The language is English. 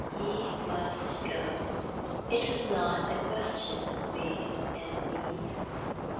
He must go. It was not a question of ways and means.